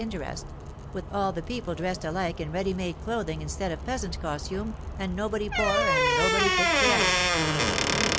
interest; with all the people dressed alike in ready made clothing instead of peasant costume, and nobody poor and nobody picturesque.